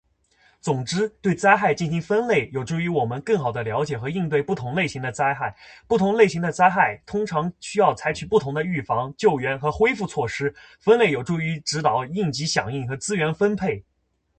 总之，对灾害进行分类有助于我们更好地了解和应对不同类型的灾害。不同类型的灾害通常需要采取不同的预防、救援和恢复措施，分类有助于指导应急响应和资源分配。